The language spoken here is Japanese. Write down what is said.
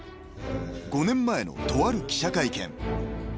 ［５年前のとある記者会見］